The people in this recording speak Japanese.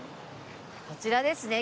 こちらですね